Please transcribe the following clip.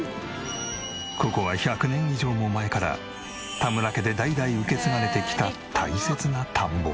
ここは１００年以上も前から田村家で代々受け継がれてきた大切な田んぼ。